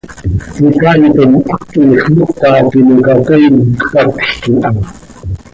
Icaaitom haquix moca timoca toii cpatjc iha.